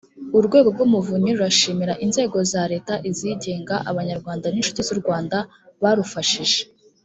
urwego rw umuvunyi rurashimira inzego za leta izigenga abanyarwanda n inshuti z u rwanda barufashije